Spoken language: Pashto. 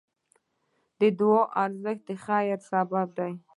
د دعا ارزښت د خیر سبب دی.